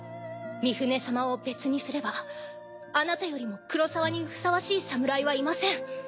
ミフネ様を別にすればあなたよりも黒澤にふさわしい侍はいません。